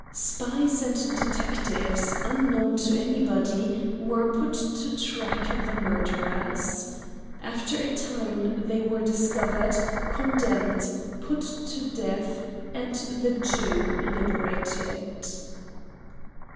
Spies and detectives, unknown to anybody, were put to track the murderers. After a time they were discovered, condemned, put to death, and the Jew liberated.